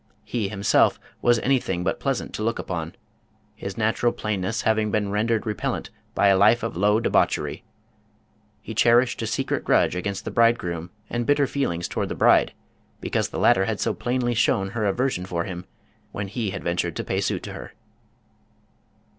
He him self was anything but pleasant to look upon, his natural plainness having been rendered repellent by a life of low de bauchery. He cherished a secret grudge against the bride 273 Scandinavian Mystery Stories groom and bitter feelings toward the bride, because the latter had so plainly shown her aversion for him when he had ventured to pay suit to her.